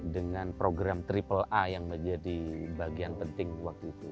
dengan program aaa yang menjadi bagian penting waktu itu